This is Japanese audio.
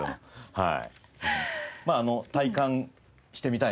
はい。